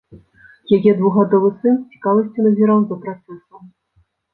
Яе двухгадовы сын з цікавасцю назіраў за працэсам.